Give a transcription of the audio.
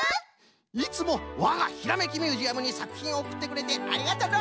いつもわがひらめきミュージアムにさくひんをおくってくれてありがとのう！